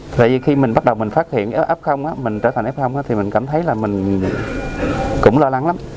tại vì khi mình bắt đầu mình phát hiện f mình trở thành f thì mình cảm thấy là mình cũng lo lắng lắm